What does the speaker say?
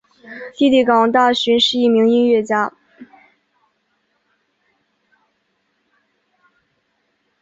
弟弟港大寻是一名音乐家。